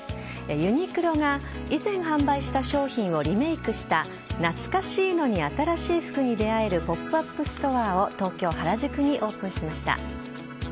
ユニクロが以前販売した商品をリメイクした懐かしいのに新しい服に出会えるポップアップストアを東京・原宿にオープンしました。